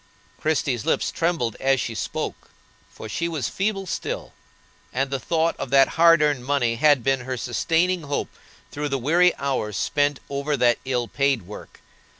Christie's lips trembled as she spoke, for she was feeble still, and the thought of that hard earned money had been her sustaining hope through the weary hours spent over that ill paid work.